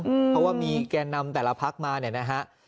เพราะว่ามีแก่นำแต่ละพักมาเนี่ยนะฮะ